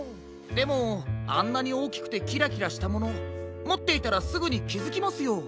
でもあんなにおおきくてキラキラしたものもっていたらすぐにきづきますよ。